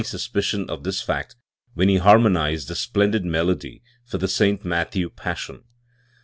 suspicion of this fact when he harmonised the splendid melody for the St. Matthew Passion!